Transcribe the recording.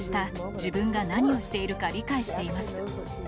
自分が何をしているか理解しています。